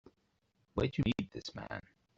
Where'd you meet this man?